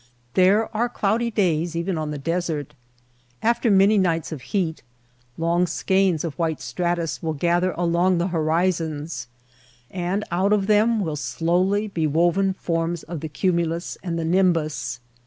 There are cloudy days even on the desert. After many nights of heat, long skeins of white stratus will gather along the horizons, and out of them will slowly be woven forms of the cumulus and the nimbus.